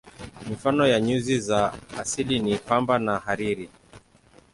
Mifano ya nyuzi za asili ni pamba na hariri.